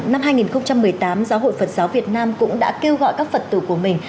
năm hai nghìn một mươi tám giáo hội phật giáo việt nam cũng đã kêu gọi các phật tử của mình